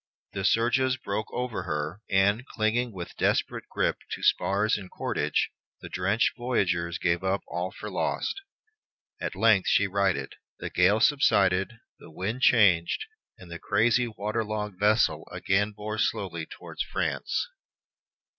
The surges broke over her, and, clinging with desperate grip to spars and cordage, the drenched voyagers gave up all for lost. At length she righted. The gale subsided, the wind changed, and the crazy, water logged vessel again bore slowly towards France.